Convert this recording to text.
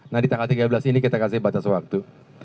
nah di tanggal tiga belas ini kita kasih batas waktu